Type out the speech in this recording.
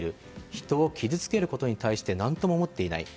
人を傷つけることに対して何とも思っていない。